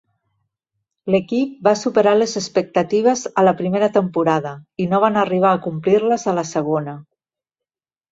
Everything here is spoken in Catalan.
L'equip va superar les expectatives a la primera temporada i no van arribar a complir-les a la segona.